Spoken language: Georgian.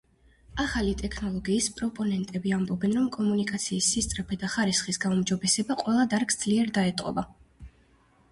ახალი ტექნოლოგიის პროპონენტები ამბობენ, რომ კომუნიკაციის სისწრაფე და ხარისხის გაუმჯობესება ყველა დარგს ძლიერ დაეტყობა.